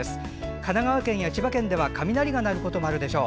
神奈川県や千葉県では雷が鳴ることもあるでしょう。